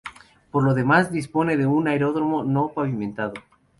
Por lo demás, dispone de un aeródromo, no pavimentado.